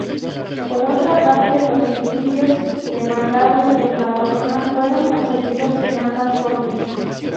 Por otra parte, los subsidios demandados por la Corona fueron concedidos en ambas Cortes.